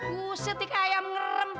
kusetik kayak ayam ngerem